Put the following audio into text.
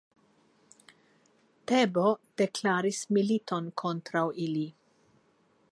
Tebo deklaris militon kontraŭ ili.